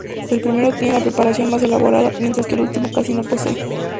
El primero tiene la preparación más elaborada, mientras que el último casi no posee.